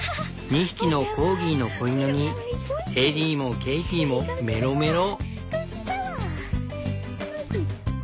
２匹のコーギーの子犬にエリーもケイティもメロメロ。